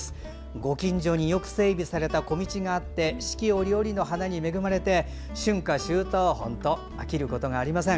ご近所によく整備された小道があって四季折々の花に恵まれて春夏秋冬飽きることがありません。